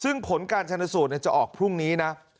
ซึ่งผลการชนสูตรจะออกพรุ่งนี้นะ